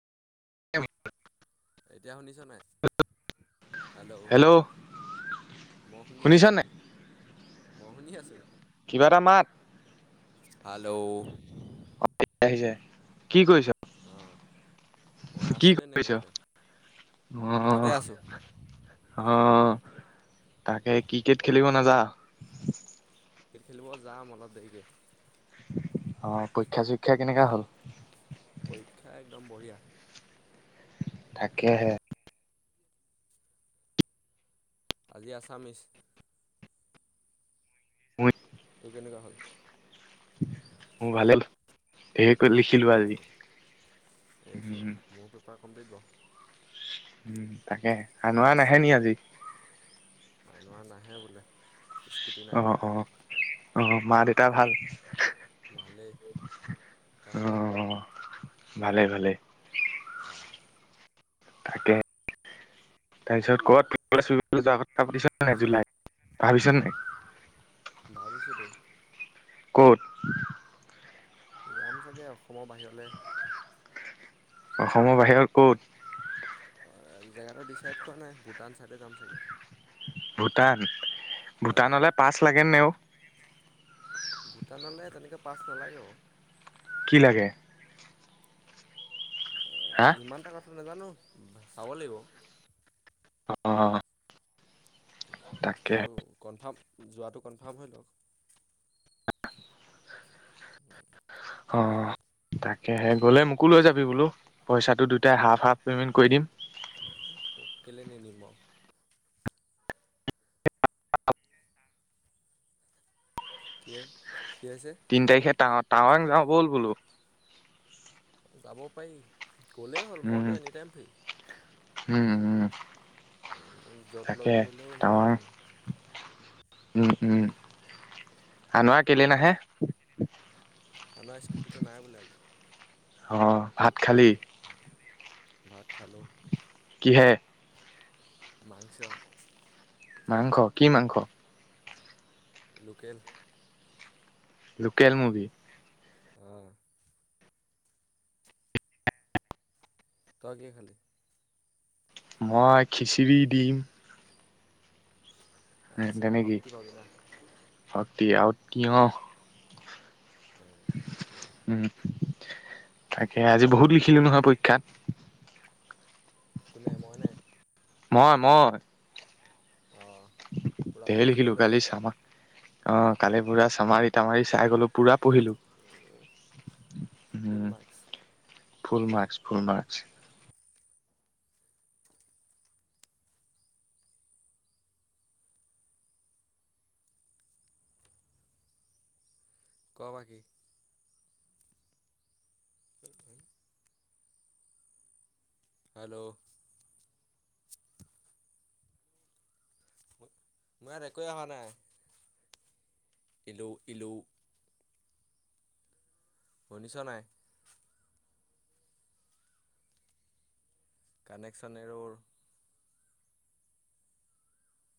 [inaudible] [unintelligible] শুনিছোঁ নে? হেল্ল' মই শুনি শুনিছ আছোঁ। নাই? মই শুনি আছোঁ, কিবা এটা মাত হেল্ল' [unintelligible] কি কৰিছোঁ? অঁ মই আছোঁ এনে ঘৰতে। ঘৰতে অ', আছোঁ। অ, তাকে ক্ৰিকেট খেলিব নাযা? ক্ৰিকেট খেলিব যাম, অলপ দেৰিকে। অ', পৰীক্ষা চৰীক্ষা কেনেকা হ'ল? পৰীক্ষা একদম বৰহিয়া। তাকেহে। আজি আছামিছ। [unintelligible] তোৰ কেনেকুৱা হ'ল? মোৰ ভালে ধেৰ লিখিলো আজি। উম, এইোৱা উম, মোৰ পেপাৰ কমপ্লিট বাৰু উম, তাকে আনোৱা নাহে নেকি আজি আনোৱাৰ নাহে [inaudible] অ', তাৰ। অ', অ', মা দেউতা ভাল ভালে, অ', তহতৰ অ', ভালে ভালে আহ তাকে তাৰপিছত কত [unintelligible] জুলাইত, ভাবিছ ন নাই ভাবিছিলো কত? যাম চাগে অসমৰ বাহিৰলে অসমৰ বাহিৰত ক'ত জেগাটো ডিচাইড কৰা নাই ভূটান চাইডে যাম চাগে ভূটান, ভূটানলৈ পাচ লাগে নে অ', ভূটানলৈ তেনেকে পাছ নালাগে অ', কি লাগে হা? ইমানটা কথা নাজানো, চাব লাগিব অ', তাকে বস্তুটো কনফাৰ্ম যোৱাটো কনফাৰ্ম হৈ লওক [unintelligible] অ', তাকেহে গ'লে মোকো লৈ যাবি বোলো, পইচাটো দুইটাই হাফ-হাফ পেমেণ্ট কৰি দিম তোক কেলে নিনিম আৰু অ', [unintelligible] কিয়ে তিনি তাৰিখে টা-টাৱাঙ যাওঁ ব'ল বোলো যাব পাৰি, গ'লেই হ'ল উম, মইতো এনি টাইম ফ্ৰী উম', উম' মোক য'ত লগ তাকে ধৰিলেও মই টাৱাং যাম উম, উম আনোৱা কেলে নাহে আমাৰ স্কুটিটো নাই বোলে আজি অহ' ভাত খালি ভাত খালো কিহেৰে মাংস মাংস, কি মাংস? লোকেল লোকেল মুৰ্গী অহ, তাই কি খালি? মই খিচিৰি দি আচ্ছা তেনেকেই, শক্তি পাবি না আৰু তি-তিয়হ ঠিকে আছে উম' তাকে, আজি বহুত লিখিলো নহয় পৰীক্ষাত কোনে, মই নাই মই, মই অঁ পূৰা ধেৰ পেজ লৈ লিখিলো লয়নে কালি চাম আ অ, ' কালি পুৰা চামাৰি তামাৰি চাই গ'লো পুৰা পঢ়িলো ফুল হম' মাৰ্কছ ফুল মাস্কচ, ফুল মাস্কচ। ক, বাকী। হেল্ল'। মই ইয়াত একোৱে অহা নাই। ইল্ল', ইল্ল'। শুনিছ নাই? কানেকচন, এ ৰ'ৰ।